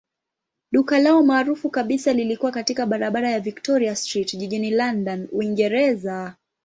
Duka lao maarufu kabisa lilikuwa katika barabara ya Victoria Street jijini London, Uingereza.